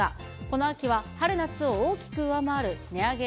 この秋は、春夏を大きく上回る値上げ